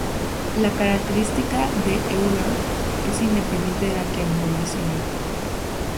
La característica de Euler es independiente de la triangulación.